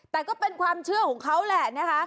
แต่ก็เป็นความเชื่อของเขาแหละนะคะ